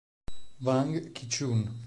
Wang Ki-chun